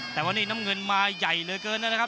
แต่วันนี้น้ำเงินมาใหญ่เหลือเกินนะครับ